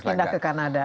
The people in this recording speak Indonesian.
pindah ke kanada